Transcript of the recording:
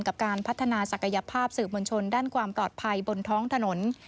กับการพัฒนาศักยภาพสื่อมวลชนด้านความปลอดภัยบนท้องถนน